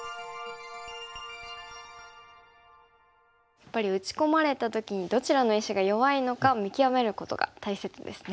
やっぱり打ち込まれた時にどちらの石が弱いのかを見極めることが大切ですね。